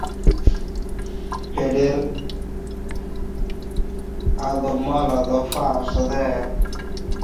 এর উদ্ভব মূলত পাশ্চাত্যে।